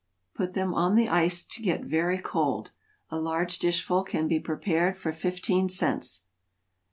Put them on the ice to get very cold. A large dishful can be prepared for fifteen cents.